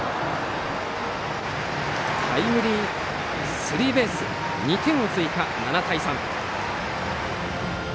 タイムリースリーベースで２点を追加、７対３。